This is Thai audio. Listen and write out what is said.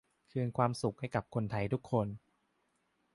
คืนความสุขให้กับคนไทยทุกคน